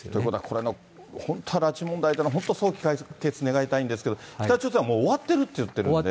これ、本当は拉致問題、本当早期解決願いたいんですけど、北朝鮮はもう終わってるって言ってるんですね。